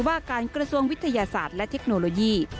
ว่าการกระทรวงวิทยาศาสตร์และเทคโนโลยี